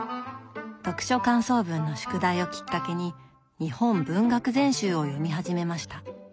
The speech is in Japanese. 読書感想文の宿題をきっかけに「日本文学全集」を読み始めました。